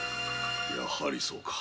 やはりそうか。